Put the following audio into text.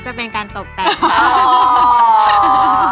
จะเป็นการตกแต่งค่ะ